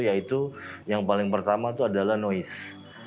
yaitu yang paling pertama itu adalah noise